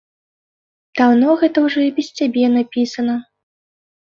Даўно гэта ўжо і без цябе напісана.